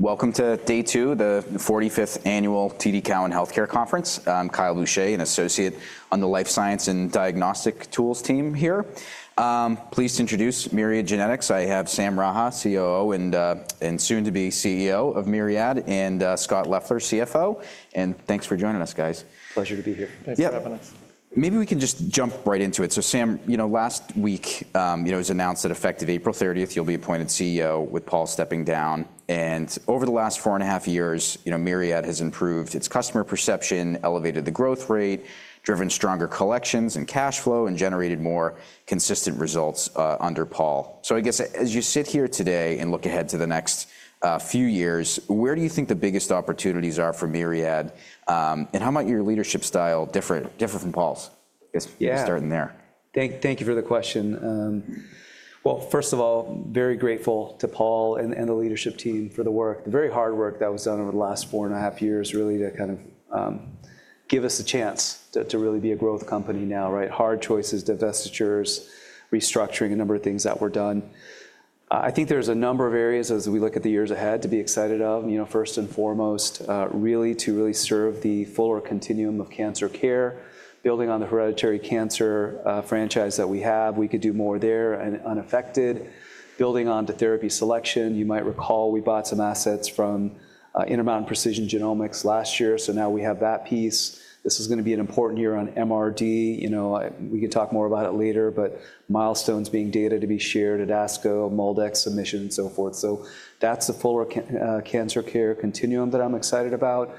Welcome to Day two, the 45th Annual TD Cowen Healthcare conference. I'm Kyle Boucher, an associate on the Life Science and Diagnostic Tools team here. Pleased to introduce Myriad Genetics. I have Sam Raha, COO and soon-to-be CEO of Myriad, and Scott Leffler, CFO. Thanks for joining us, guys. Pleasure to be here. Thanks for having us. Maybe we can just jump right into it. Sam, you know, last week it was announced that effective April 30, you'll be appointed CEO with Paul stepping down. Over the last four and a half years, Myriad has improved its customer perception, elevated the growth rate, driven stronger collections and cash flow, and generated more consistent results under Paul. I guess as you sit here today and look ahead to the next few years, where do you think the biggest opportunities are for Myriad? How might your leadership style differ from Paul's? Starting there. Thank you for the question. First of all, very grateful to Paul and the leadership team for the work, the very hard work that was done over the last four and a half years really to kind of give us a chance to really be a growth company now, right? Hard choices, divestitures, restructuring, a number of things that were done. I think there's a number of areas as we look at the years ahead to be excited of. First and foremost, really to really serve the fuller continuum of cancer care, building on the hereditary cancer franchise that we have. We could do more there and unaffected, building on to therapy selection. You might recall we bought some assets from Intermountain Precision Genomics last year. Now we have that piece. This is going to be an important year on MRD. We can talk more about it later, but milestones being data to be shared at ASCO, MolDX submission, and so forth. That is the fuller cancer care continuum that I'm excited about.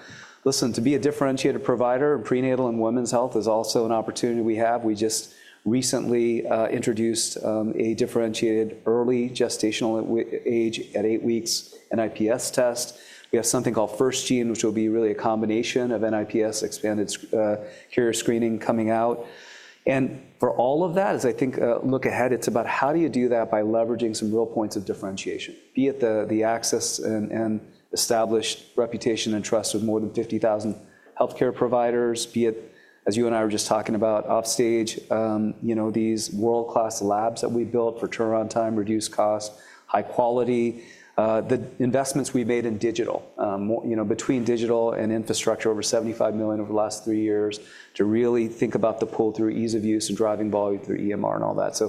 Listen, to be a differentiated provider in prenatal and women's health is also an opportunity we have. We just recently introduced a differentiated early gestational age at eight weeks NIPS test. We have something called FirstGene, which will be really a combination of NIPS expanded carrier screening coming out. For all of that, as I look ahead, it's about how do you do that by leveraging some real points of differentiation, be it the access and established reputation and trust of more than 50,000 healthcare providers, be it, as you and I were just talking about offstage, these world-class labs that we built for turnaround time, reduced cost, high quality. The investments we've made in digital, between digital and infrastructure, over 75 million over the last three years to really think about the pull through, ease of use, and driving volume through EMR and all that.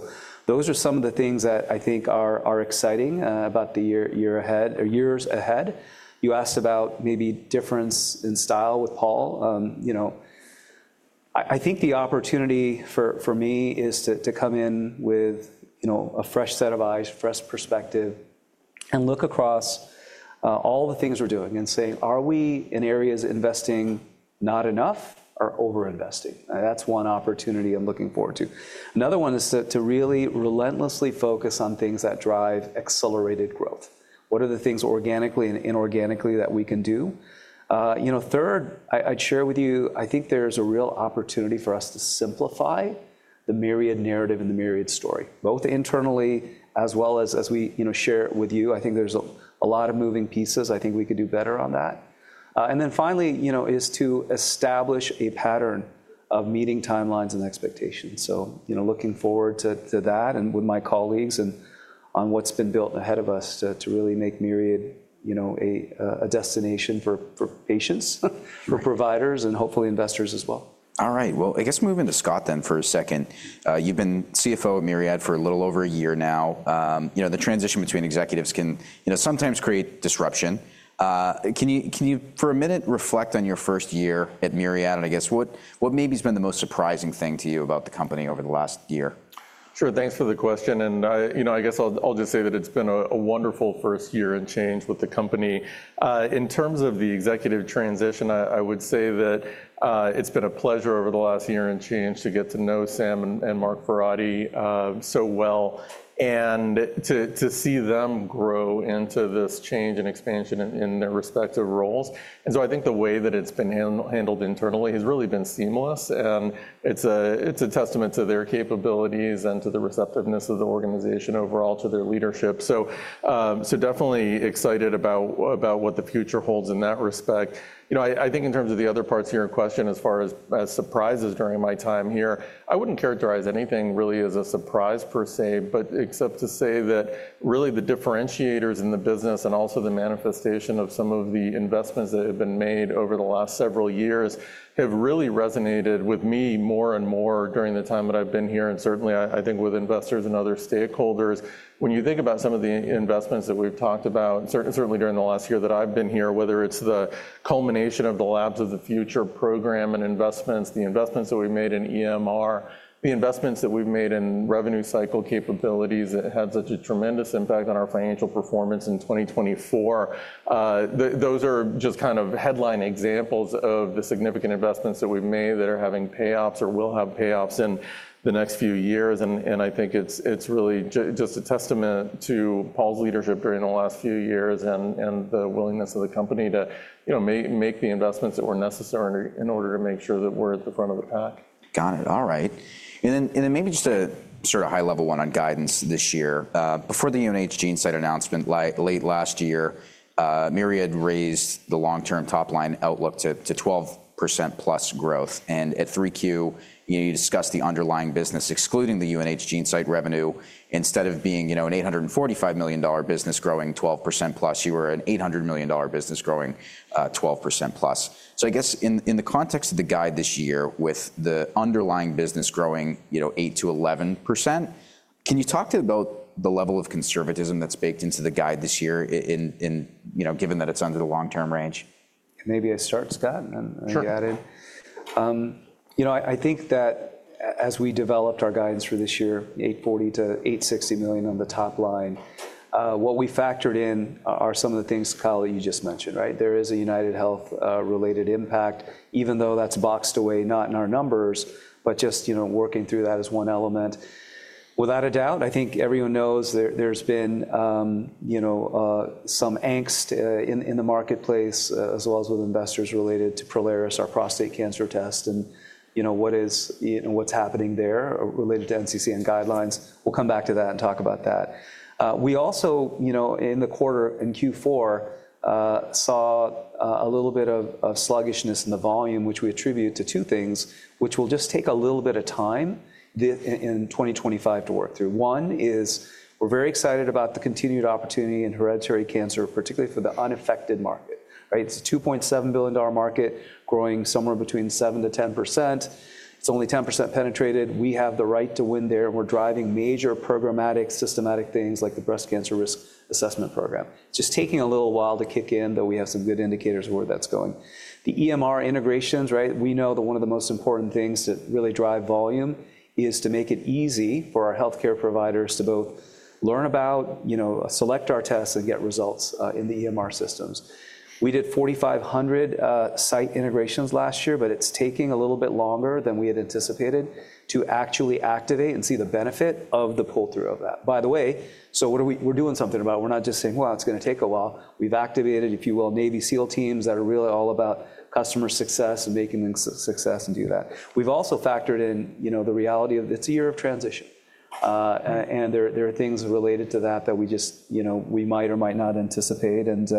Those are some of the things that I think are exciting about the year ahead or years ahead. You asked about maybe difference in style with Paul. I think the opportunity for me is to come in with a fresh set of eyes, fresh perspective, and look across all the things we're doing and say, are we in areas investing not enough or over-investing? That's one opportunity I'm looking forward to. Another one is to really relentlessly focus on things that drive accelerated growth. What are the things organically and inorganically that we can do? Third, I'd share with you, I think there's a real opportunity for us to simplify the Myriad narrative and the Myriad story, both internally as well as as we share it with you. I think there's a lot of moving pieces. I think we could do better on that. Finally, to establish a pattern of meeting timelines and expectations. Looking forward to that and with my colleagues and on what's been built ahead of us to really make Myriad a destination for patients, for providers, and hopefully investors as well. All right. I guess moving to Scott then for a second. You've been CFO at Myriad for a little over a year now. The transition between executives can sometimes create disruption. Can you for a minute reflect on your first year at Myriad? I guess what maybe has been the most surprising thing to you about the company over the last year? Sure. Thanks for the question. I guess I'll just say that it's been a wonderful first year and change with the company. In terms of the executive transition, I would say that it's been a pleasure over the last year and change to get to know Sam and Mark Verratti so well and to see them grow into this change and expansion in their respective roles. I think the way that it's been handled internally has really been seamless. It's a testament to their capabilities and to the receptiveness of the organization overall to their leadership. Definitely excited about what the future holds in that respect. I think in terms of the other parts here in question, as far as surprises during my time here, I would not characterize anything really as a surprise per se, except to say that really the differentiators in the business and also the manifestation of some of the investments that have been made over the last several years have really resonated with me more and more during the time that I have been here. Certainly, I think with investors and other stakeholders, when you think about some of the investments that we've talked about, certainly during the last year that I've been here, whether it's the culmination of the Labs of the Future program and investments, the investments that we've made in EMR, the investments that we've made in revenue cycle capabilities that had such a tremendous impact on our financial performance in 2024, those are just kind of headline examples of the significant investments that we've made that are having payoffs or will have payoffs in the next few years. I think it's really just a testament to Paul's leadership during the last few years and the willingness of the company to make the investments that were necessary in order to make sure that we're at the front of the pack. Got it. All right. Maybe just a sort of high-level one on guidance this year. Before the UNH GeneSight announcement late last year, Myriad raised the long-term top line outlook to 12%+ growth. At 3Q, you discussed the underlying business excluding the UNH GeneSight revenue. Instead of being an $845 million business growing 12%+, you were an $800 million business growing 12%+. I guess in the context of the guide this year with the underlying business growing 8% to 11%, can you talk to about the level of conservatism that's baked into the guide this year given that it's under the long-term range? Maybe I start, Scott, and then you add in. I think that as we developed our guidance for this year, 840 million to 860 million on the top line, what we factored in are some of the things, Kyle, that you just mentioned, right? There is a UnitedHealth-related impact, even though that's boxed away, not in our numbers, but just working through that as one element. Without a doubt, I think everyone knows there's been some angst in the marketplace as well as with investors related to Prolaris, our prostate cancer test and what is what's happening there related to NCCN guidelines. We'll come back to that and talk about that. We also in the quarter in Q4 saw a little bit of sluggishness in the volume, which we attribute to two things, which will just take a little bit of time in 2025 to work through. One is we're very excited about the continued opportunity in hereditary cancer, particularly for the unaffected market, right? It's a 2.7 billion market growing somewhere between 7% to 10%. It's only 10% penetrated. We have the right to win there. We're driving major programmatic, systematic things like the Breast Cancer Risk Assessment Program. It's just taking a little while to kick in, though we have some good indicators of where that's going. The EMR integrations, right? We know that one of the most important things to really drive volume is to make it easy for our healthcare providers to both learn about, select our tests, and get results in the EMR systems. We did 4,500 site integrations last year, but it's taking a little bit longer than we had anticipated to actually activate and see the benefit of the pull through of that. By the way, we're doing something about it. We're not just saying, well, it's going to take a while. We've activated, if you will, Navy SEAL teams that are really all about customer success and making them success and do that. We've also factored in the reality of it's a year of transition. There are things related to that that we just might or might not anticipate. As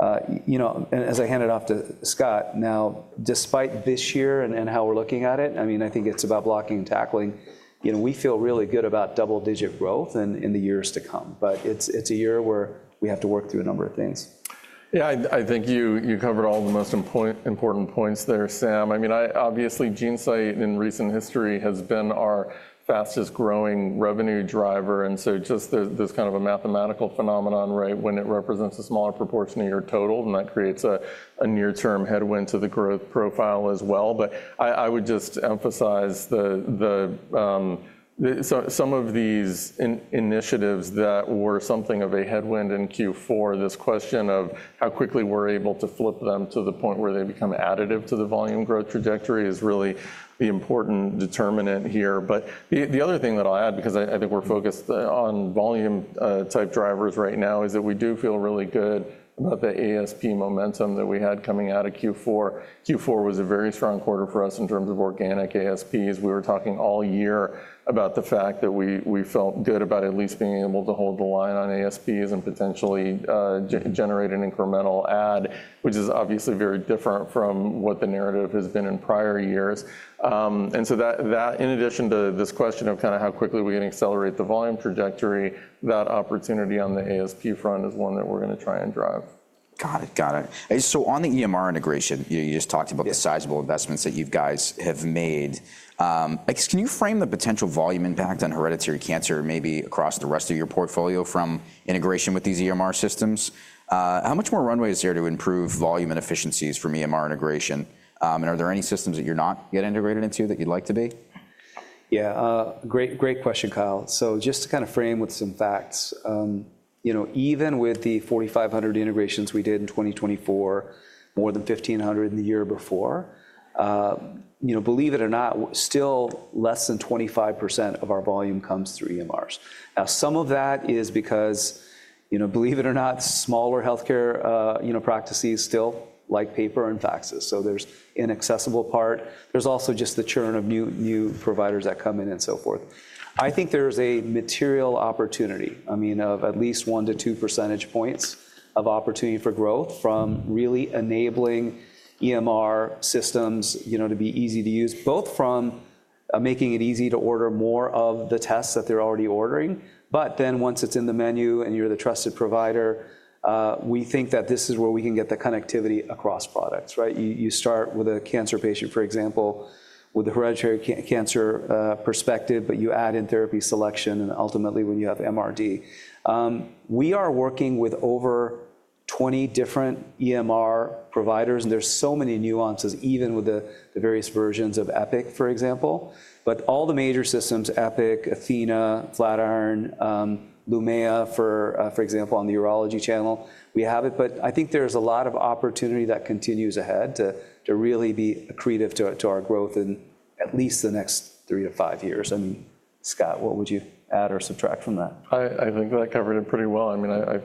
I hand it off to Scott now, despite this year and how we're looking at it, I mean, I think it's about blocking and tackling. We feel really good about double-digit growth in the years to come, but it's a year where we have to work through a number of things. Yeah, I think you covered all the most important points there, Sam. I mean, obviously, GeneSight in recent history has been our fastest growing revenue driver. There is kind of a mathematical phenomenon, right, when it represents a smaller proportion of your total, and that creates a near-term headwind to the growth profile as well. I would just emphasize some of these initiatives that were something of a headwind in Q4, this question of how quickly we're able to flip them to the point where they become additive to the volume growth trajectory is really the important determinant here. The other thing that I'll add, because I think we're focused on volume type drivers right now, is that we do feel really good about the ASP momentum that we had coming out of Q4. Q4 was a very strong quarter for us in terms of organic ASPs. We were talking all year about the fact that we felt good about at least being able to hold the line on ASPs and potentially generate an incremental add, which is obviously very different from what the narrative has been in prior years. That, in addition to this question of kind of how quickly we can accelerate the volume trajectory, that opportunity on the ASP front is one that we're going to try and drive. Got it. Got it. On the EMR integration, you just talked about the sizable investments that you guys have made. Can you frame the potential volume impact on hereditary cancer maybe across the rest of your portfolio from integration with these EMR systems? How much more runway is there to improve volume and efficiencies from EMR integration? Are there any systems that you're not yet integrated into that you'd like to be? Yeah, great question, Kyle. Just to kind of frame with some facts, even with the 4,500 integrations we did in 2024, more than 1,500 in the year before, believe it or not, still less than 25% of our volume comes through EMRs. Now, some of that is because, believe it or not, smaller healthcare practices still like paper and faxes. There is an inaccessible part. There is also just the churn of new providers that come in and so forth. I think there is a material opportunity, I mean, of at least one to two percentage points of opportunity for growth from really enabling EMR systems to be easy to use, both from making it easy to order more of the tests that they are already ordering. Then once it's in the menu and you're the trusted provider, we think that this is where we can get the connectivity across products, right? You start with a cancer patient, for example, with the hereditary cancer perspective, but you add in therapy selection and ultimately when you have MRD. We are working with over 20 different EMR providers. There are so many nuances, even with the various versions of Epic, for example. All the major systems, Epic, Athena, Flatiron, Lumea, for example, on the urology channel, we have it. I think there's a lot of opportunity that continues ahead to really be accretive to our growth in at least the next three to five years. I mean, Scott, what would you add or subtract from that? I think that covered it pretty well. I mean, I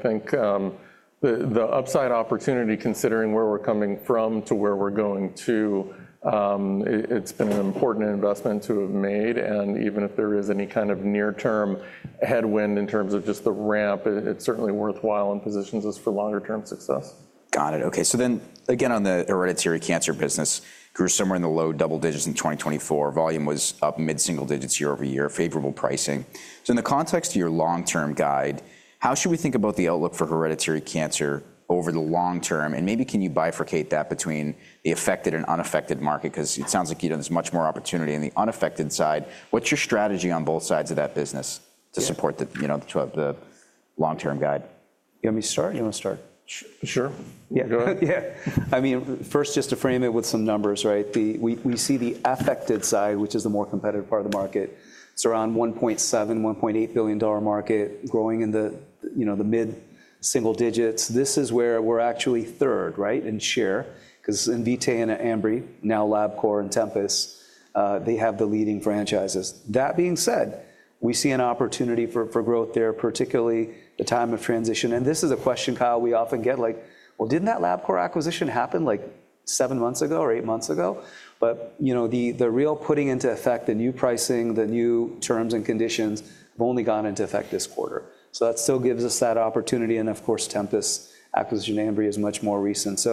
think the upside opportunity, considering where we're coming from to where we're going to, it's been an important investment to have made. Even if there is any kind of near-term headwind in terms of just the ramp, it's certainly worthwhile and positions us for longer-term success. Got it. Okay. So then again, on the hereditary cancer business, grew somewhere in the low double digits in 2024. Volume was up mid-single digits year over year, favorable pricing. In the context of your long-term guide, how should we think about the outlook for hereditary cancer over the long term? Maybe can you bifurcate that between the affected and unaffected market? Because it sounds like you know there's much more opportunity on the unaffected side. What's your strategy on both sides of that business to support the long-term guide? You want me to start? You want to start? Sure. Yeah, go ahead. Yeah. I mean, first, just to frame it with some numbers, right? We see the affected side, which is the more competitive part of the market, it's around $1.7 to $1.8 billion market, growing in the mid-single digits. This is where we're actually third, right, in share because Invitae and Ambry, now LabCorp and Tempus, they have the leading franchises. That being said, we see an opportunity for growth there, particularly the time of transition. This is a question, Kyle, we often get like, well, didn't that LabCorp acquisition happen like seven months ago or eight months ago? The real putting into effect the new pricing, the new terms and conditions have only gone into effect this quarter. That still gives us that opportunity. Of course, Tempus acquisition, Ambry is much more recent.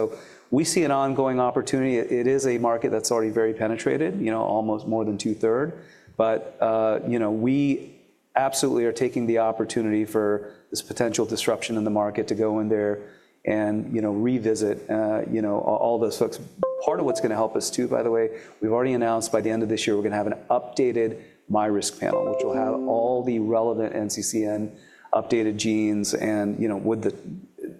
We see an ongoing opportunity. It is a market that's already very penetrated, almost more than two-thirds. We absolutely are taking the opportunity for this potential disruption in the market to go in there and revisit all those folks. Part of what's going to help us too, by the way, we've already announced by the end of this year, we're going to have an updated MyRisk panel, which will have all the relevant NCCN updated genes and with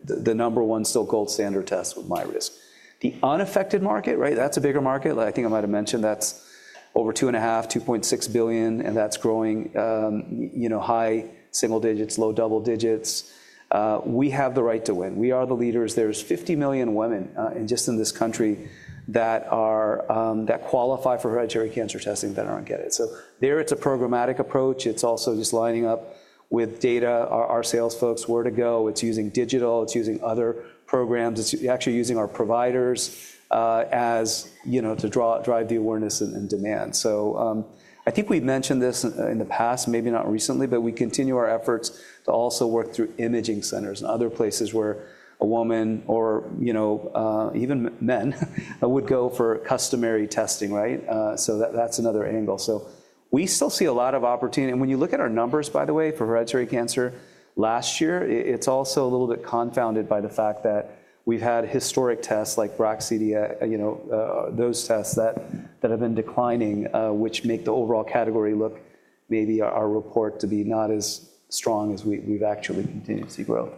the number one still gold standard test with MyRisk. The unaffected market, right? That's a bigger market. I think I might have mentioned that's over 2.5 billion to $2.6 billion, and that's growing high single digits, low double digits. We have the right to win. We are the leaders. There's 50 million women just in this country that qualify for hereditary cancer testing that aren't getting it. It is a programmatic approach. It's also just lining up with data, our sales folks, where to go. It's using digital. It's using other programs. It's actually using our providers to drive the awareness and demand. I think we've mentioned this in the past, maybe not recently, but we continue our efforts to also work through imaging centers and other places where a woman or even men would go for customary testing, right? That's another angle. We still see a lot of opportunity. When you look at our numbers, by the way, for hereditary cancer last year, it's also a little bit confounded by the fact that we've had historic tests like BRACanalysis, those tests that have been declining, which make the overall category look maybe our report to be not as strong as we've actually continued to grow.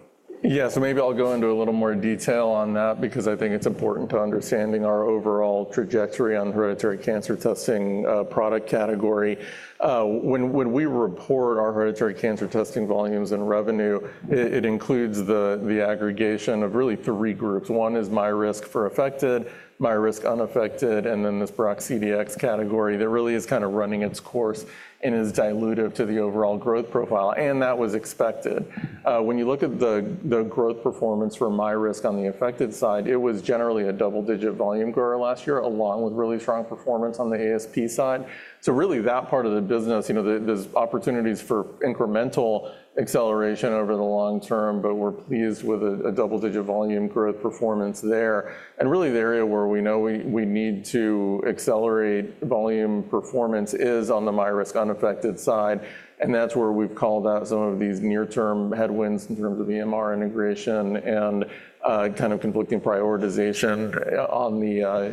Yeah, maybe I'll go into a little more detail on that because I think it's important to understanding our overall trajectory on hereditary cancer testing product category. When we report our hereditary cancer testing volumes and revenue, it includes the aggregation of really three groups. One is MyRisk for affected, MyRisk unaffected, and then this Braxedia X category that really is kind of running its course and is dilutive to the overall growth profile. That was expected. When you look at the growth performance for MyRisk on the affected side, it was generally a double-digit volume grower last year along with really strong performance on the ASP side. That part of the business, there's opportunities for incremental acceleration over the long term, but we're pleased with a double-digit volume growth performance there. Really the area where we know we need to accelerate volume performance is on the MyRisk unaffected side. That is where we have called out some of these near-term headwinds in terms of EMR integration and kind of conflicting prioritization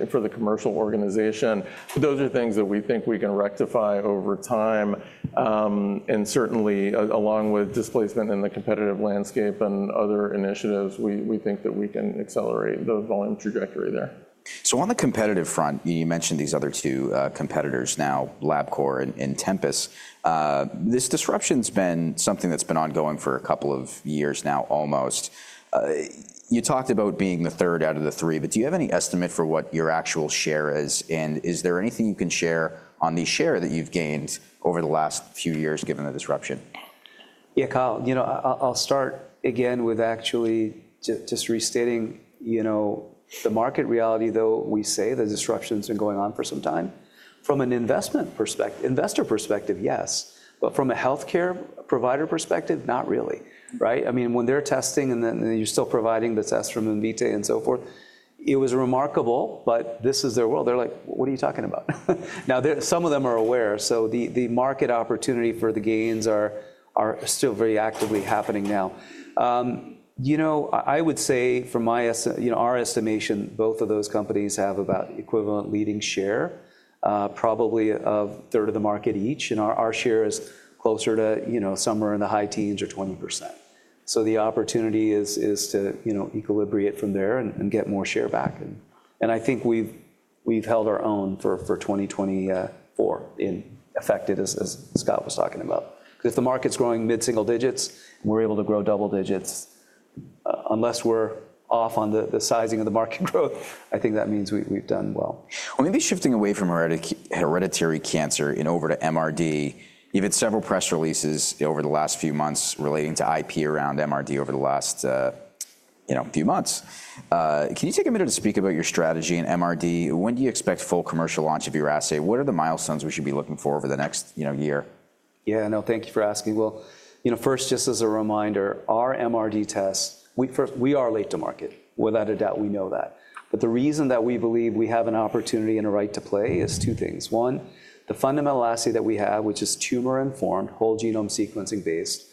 for the commercial organization. Those are things that we think we can rectify over time. Certainly along with displacement in the competitive landscape and other initiatives, we think that we can accelerate the volume trajectory there. On the competitive front, you mentioned these other two competitors now, LabCorp and Tempus. This disruption has been something that's been ongoing for a couple of years now almost. You talked about being the third out of the three, but do you have any estimate for what your actual share is? Is there anything you can share on the share that you've gained over the last few years given the disruption? Yeah, Kyle, I'll start again with actually just restating the market reality, though we say the disruptions have been going on for some time. From an investor perspective, yes. From a healthcare provider perspective, not really, right? I mean, when they're testing and then you're still providing the test from Invitae and so forth, it was remarkable, but this is their world. They're like, what are you talking about? Now, some of them are aware. The market opportunity for the gains are still very actively happening now. I would say from our estimation, both of those companies have about equivalent leading share, probably a third of the market each. Our share is closer to somewhere in the high teens or 20%. The opportunity is to equilibriate from there and get more share back. I think we've held our own for 2024 in affected as Scott was talking about. If the market's growing mid-single digits and we're able to grow double digits, unless we're off on the sizing of the market growth, I think that means we've done well. Maybe shifting away from hereditary cancer and over to MRD, you've had several press releases over the last few months relating to IP around MRD over the last few months. Can you take a minute to speak about your strategy in MRD? When do you expect full commercial launch of your assay? What are the milestones we should be looking for over the next year? Yeah, no, thank you for asking. First, just as a reminder, our MRD test, we are late to market. Without a doubt, we know that. The reason that we believe we have an opportunity and a right to play is two things. One, the fundamental assay that we have, which is tumor-informed, whole genome sequencing-based,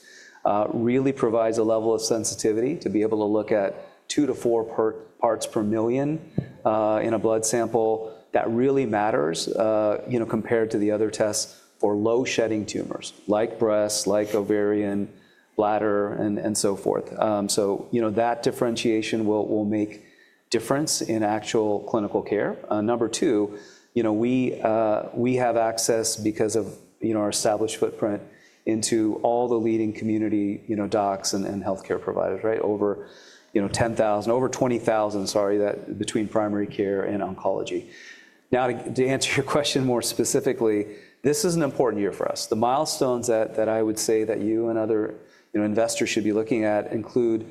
really provides a level of sensitivity to be able to look at two to four parts per million in a blood sample that really matters compared to the other tests for low-shedding tumors like breast, like ovarian, bladder, and so forth. That differentiation will make a difference in actual clinical care. Number two, we have access because of our established footprint into all the leading community docs and healthcare providers, right? Over 10,000 over 20,000, sorry, between primary care and oncology. Now, to answer your question more specifically, this is an important year for us. The milestones that I would say that you and other investors should be looking at include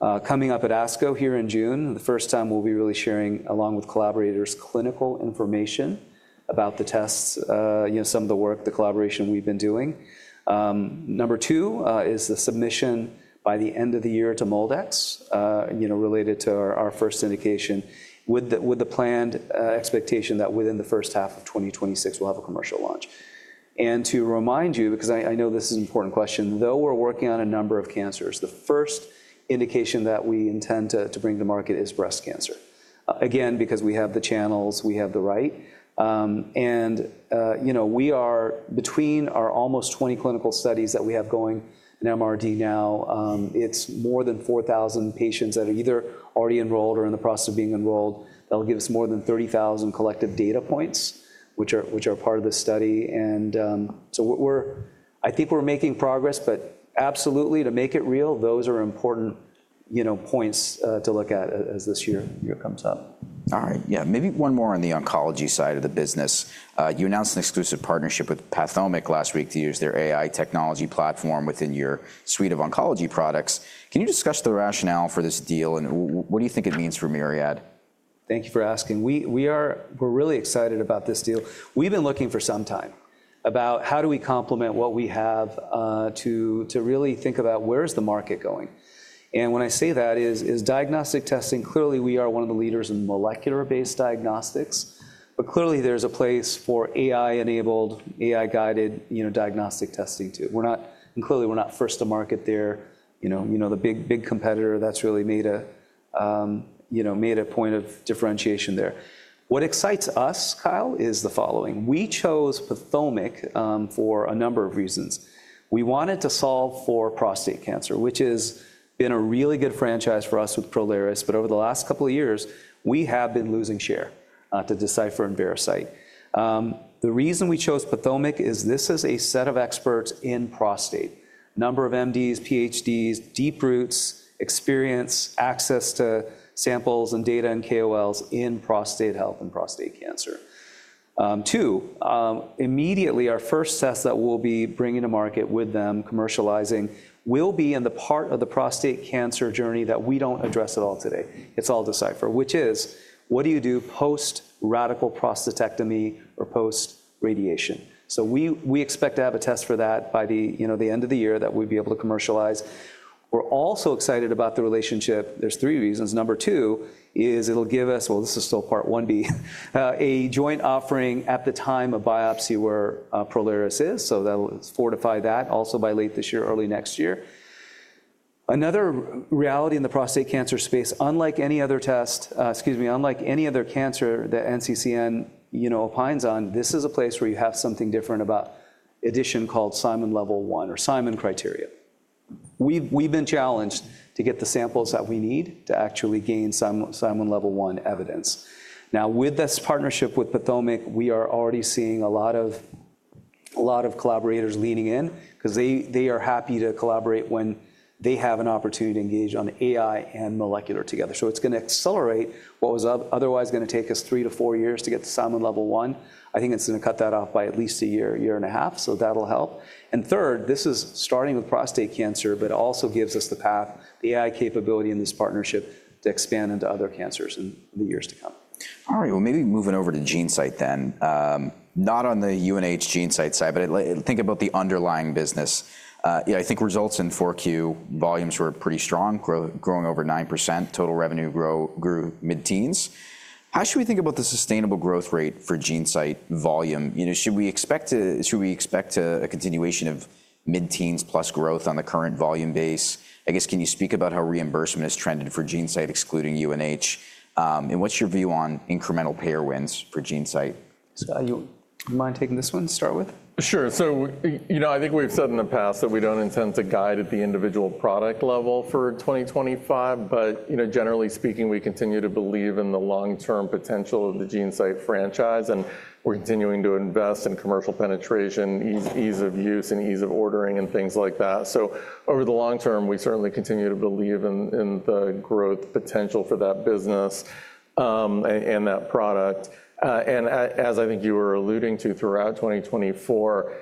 coming up at ASCO here in June, the first time we'll be really sharing along with collaborators clinical information about the tests, some of the work, the collaboration we've been doing. Number two is the submission by the end of the year to MolDX related to our first indication with the planned expectation that within the first half of 2026, we'll have a commercial launch. To remind you, because I know this is an important question, though we're working on a number of cancers, the first indication that we intend to bring to market is breast cancer. Again, because we have the channels, we have the right. Between our almost 20 clinical studies that we have going in MRD now, it's more than 4,000 patients that are either already enrolled or in the process of being enrolled. That'll give us more than 30,000 collective data points, which are part of this study. I think we're making progress, but absolutely to make it real, those are important points to look at as this year comes up. All right. Yeah, maybe one more on the oncology side of the business. You announced an exclusive partnership with Pathomic last week to use their AI technology platform within your suite of oncology products. Can you discuss the rationale for this deal and what do you think it means for Myriad? Thank you for asking. We're really excited about this deal. We've been looking for some time about how do we complement what we have to really think about where is the market going? When I say that is diagnostic testing, clearly we are one of the leaders in molecular-based diagnostics, but clearly there's a place for AI-enabled, AI-guided diagnostic testing too. Clearly we're not first to market there. The big competitor that's really made a point of differentiation there. What excites us, Kyle, is the following. We chose Pathomic for a number of reasons. We wanted to solve for prostate cancer, which has been a really good franchise for us with Prolaris, but over the last couple of years, we have been losing share to Decipher and Veracyte. The reason we chose Pathomic is this is a set of experts in prostate, number of MDs, PhDs, deep roots, experience, access to samples and data and KOL in prostate health and prostate cancer. Two, immediately our first test that we'll be bringing to market with them commercializing will be in the part of the prostate cancer journey that we don't address at all today. It's all Decipher, which is what do you do post-radical prostatectomy or post-radiation? We expect to have a test for that by the end of the year that we'd be able to commercialize. We're also excited about the relationship. There's three reasons. Number two is it'll give us, this is still part 1B, a joint offering at the time of biopsy where Prolaris is. That'll fortify that also by late this year, early next year. Another reality in the prostate cancer space, unlike any other test, excuse me, unlike any other cancer that NCCN opines on, this is a place where you have something different about addition called SIMON Level 1 or SIMON criteria. We've been challenged to get the samples that we need to actually gain SIMON Level 1 evidence. Now, with this partnership with Pathomic, we are already seeing a lot of collaborators leaning in because they are happy to collaborate when they have an opportunity to engage on AI and molecular together. It is going to accelerate what was otherwise going to take us three to four years to get to SIMON Level 1. I think it is going to cut that off by at least a year, year and a half. That will help. This is starting with prostate cancer, but it also gives us the path, the AI capability in this partnership to expand into other cancers in the years to come. All right. Maybe moving over to GeneSight then. Not on the UNH GeneSight side, but think about the underlying business. I think results in 4Q volumes were pretty strong, growing over 9%. Total revenue grew mid-teens. How should we think about the sustainable growth rate for GeneSight volume? Should we expect a continuation of mid-teens plus growth on the current volume base? I guess can you speak about how reimbursement is trended for GeneSight excluding UNH? What's your view on incremental payer wins for GeneSight? Do you mind taking this one to start with? Sure. I think we've said in the past that we don't intend to guide at the individual product level for 2025, but generally speaking, we continue to believe in the long-term potential of the GeneSight franchise. We're continuing to invest in commercial penetration, ease of use, and ease of ordering and things like that. Over the long term, we certainly continue to believe in the growth potential for that business and that product. I think you were alluding to throughout 2024,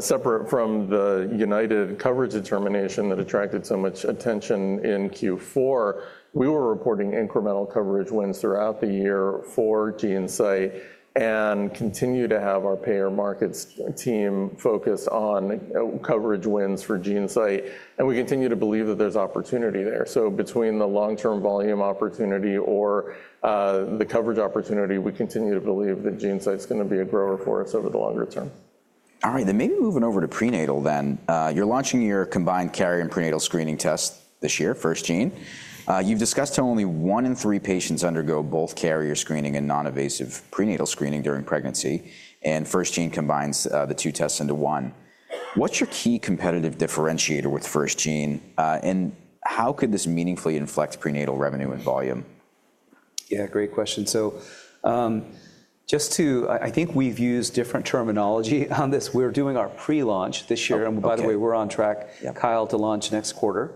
separate from the United Coverage determination that attracted so much attention in Q4, we were reporting incremental coverage wins throughout the year for GeneSight and continue to have our payer markets team focus on coverage wins for GeneSight. We continue to believe that there's opportunity there. Between the long-term volume opportunity or the coverage opportunity, we continue to believe that GeneSight is going to be a grower for us over the longer term. All right. Maybe moving over to prenatal then. You're launching your combined carrier and prenatal screening test this year, FirstGene. You've discussed how only one in three patients undergo both carrier screening and non-invasive prenatal screening during pregnancy. FirstGene combines the two tests into one. What's your key competitive differentiator with FirstGene? How could this meaningfully inflect prenatal revenue and volume? Yeah, great question. Just to, I think we've used different terminology on this. We're doing our pre-launch this year. By the way, we're on track, Kyle, to launch next quarter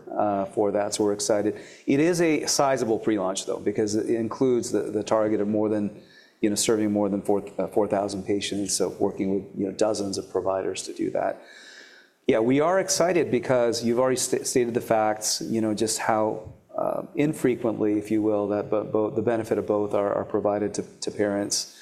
for that. We're excited. It is a sizable pre-launch though because it includes the target of serving more than 4,000 patients. Working with dozens of providers to do that. We are excited because you've already stated the facts, just how infrequently, if you will, that the benefit of both are provided to parents.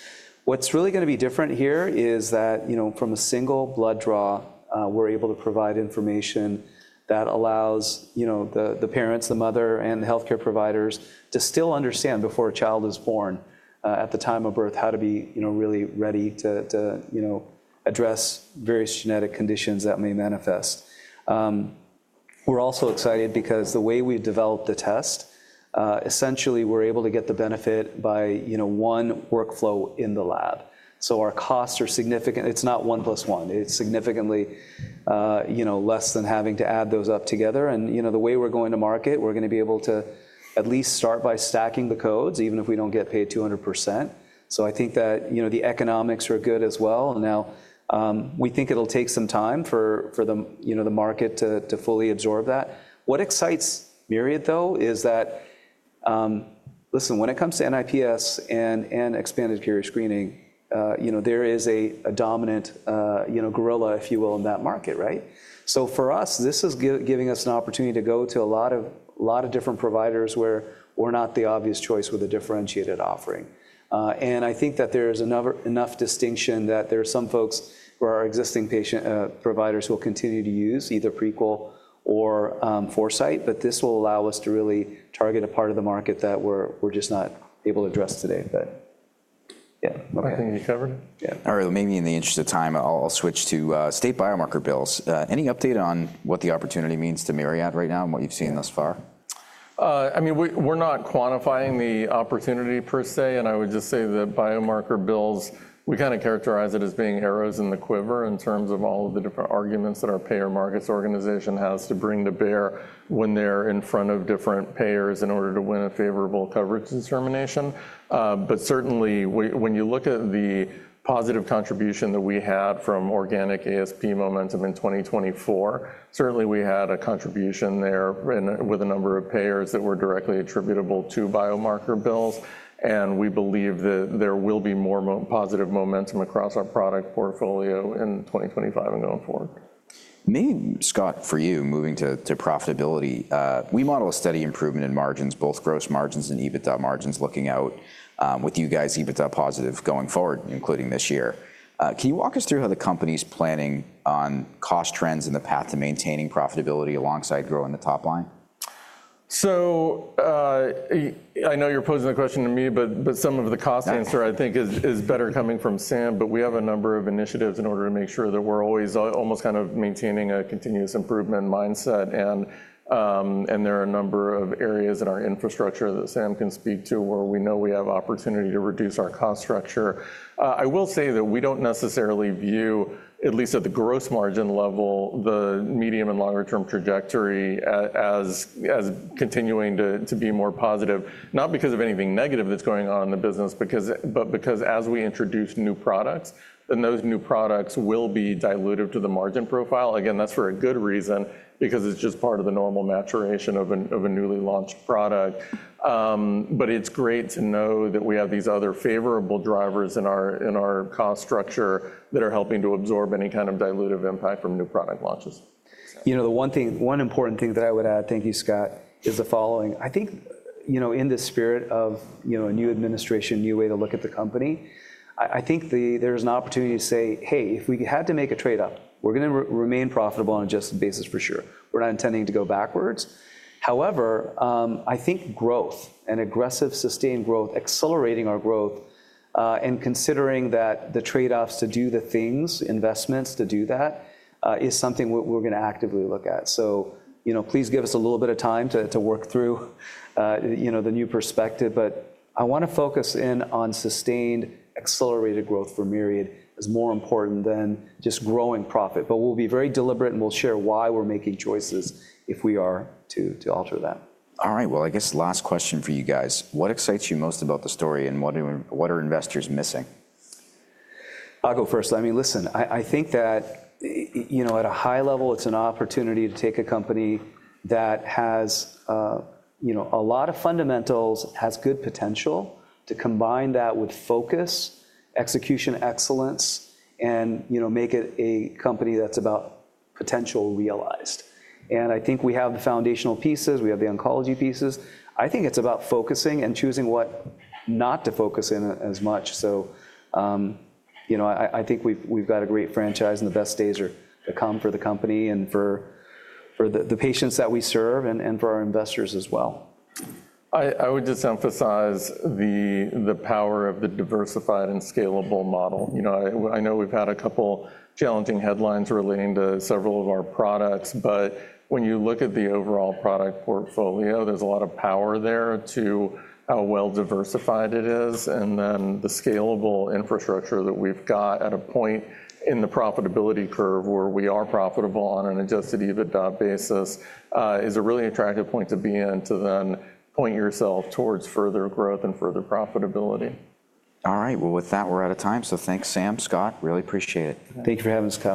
What's really going to be different here is that from a single blood draw, we're able to provide information that allows the parents, the mother, and the healthcare providers to still understand before a child is born at the time of birth how to be really ready to address various genetic conditions that may manifest. We're also excited because the way we've developed the test, essentially we're able to get the benefit by one workflow in the lab. Our costs are significant. It's not one plus one. It's significantly less than having to add those up together. The way we're going to market, we're going to be able to at least start by stacking the codes, even if we don't get paid 200%. I think that the economics are good as well. Now, we think it'll take some time for the market to fully absorb that. What excites Myriad, though, is that listen, when it comes to NIPS and expanded carrier screening, there is a dominant gorilla, if you will, in that market, right? For us, this is giving us an opportunity to go to a lot of different providers where we're not the obvious choice with a differentiated offering. I think that there is enough distinction that there are some folks who are our existing providers who will continue to use either Prequel or Foresight, but this will allow us to really target a part of the market that we're just not able to address today. Yeah. I think you covered it. All right. Maybe in the interest of time, I'll switch to state biomarker bills. Any update on what the opportunity means to Myriad right now and what you've seen thus far? I mean, we're not quantifying the opportunity per se. I would just say that biomarker bills, we kind of characterize it as being arrows in the quiver in terms of all of the different arguments that our payer markets organization has to bring to bear when they're in front of different payers in order to win a favorable coverage determination. Certainly, when you look at the positive contribution that we had from organic ASP momentum in 2024, we had a contribution there with a number of payers that were directly attributable to biomarker bills. We believe that there will be more positive momentum across our product portfolio in 2025 and going forward. Maybe, Scott, for you, moving to profitability. We model a steady improvement in margins, both gross margins and EBITDA margins looking out with you guys EBITDA positive going forward, including this year. Can you walk us through how the company's planning on cost trends in the path to maintaining profitability alongside growing the top line? I know you're posing the question to me, but some of the cost answer, I think, is better coming from Sam. We have a number of initiatives in order to make sure that we're always almost kind of maintaining a continuous improvement mindset. There are a number of areas in our infrastructure that Sam can speak to where we know we have opportunity to reduce our cost structure. I will say that we don't necessarily view, at least at the gross margin level, the medium and longer-term trajectory as continuing to be more positive, not because of anything negative that's going on in the business, but because as we introduce new products, then those new products will be diluted to the margin profile. Again, that's for a good reason because it's just part of the normal maturation of a newly launched product. It is great to know that we have these other favorable drivers in our cost structure that are helping to absorb any kind of dilutive impact from new product launches. You know, the one important thing that I would add, thank you, Scott, is the following. I think in the spirit of a new administration, new way to look at the company, I think there's an opportunity to say, hey, if we had to make a trade-off, we're going to remain profitable on a just basis for sure. We're not intending to go backwards. However, I think growth and aggressive sustained growth, accelerating our growth and considering that the trade-offs to do the things, investments to do that, is something we're going to actively look at. Please give us a little bit of time to work through the new perspective. I want to focus in on sustained accelerated growth for Myriad as more important than just growing profit. We'll be very deliberate and we'll share why we're making choices if we are to alter that. All right. I guess last question for you guys. What excites you most about the story and what are investors missing? I'll go first. I mean, listen, I think that at a high level, it's an opportunity to take a company that has a lot of fundamentals, has good potential to combine that with focus, execution excellence, and make it a company that's about potential realized. I think we have the foundational pieces. We have the oncology pieces. I think it's about focusing and choosing what not to focus in as much. I think we've got a great franchise and the best days are to come for the company and for the patients that we serve and for our investors as well. I would just emphasize the power of the diversified and scalable model. I know we've had a couple of challenging headlines relating to several of our products, but when you look at the overall product portfolio, there's a lot of power there to how well diversified it is. The scalable infrastructure that we've got at a point in the profitability curve where we are profitable on an adjusted EBITDA basis is a really attractive point to be in to then point yourself towards further growth and further profitability. All right. With that, we're out of time. Thanks, Sam, Scott. Really appreciate it. Thank you for having us, Scott.